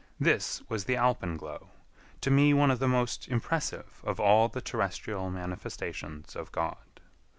This was the alpenglow, to me one of the most impressive of all the terrestrial manifestations of God.